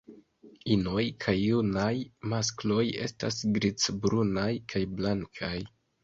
Inoj kaj junaj maskloj estas grizec-brunaj kaj blankaj.